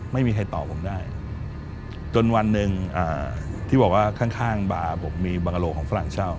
ไม่มีใครตอบผมได้จนวันหนึ่งที่บอกว่าข้างบ่าผมมีบังโลของฝรั่งเช่า